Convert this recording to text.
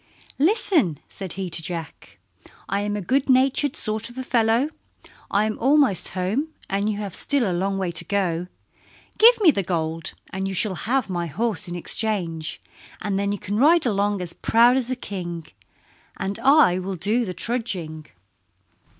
"Listen," said he to Jack, "I am a good natured sort of a fellow. I am almost home and you have still a long way to go. Give me the gold and you shall have my horse in exchange, and then you can ride along as proud as a king, and I will do the trudging."